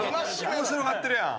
面白がってるやん。